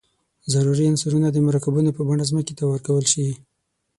ضروري عنصرونه د مرکبونو په بڼه ځمکې ته ورکول شي.